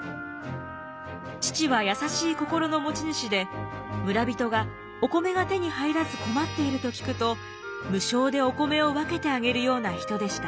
父は優しい心の持ち主で村人がお米が手に入らず困っていると聞くと無償でお米を分けてあげるような人でした。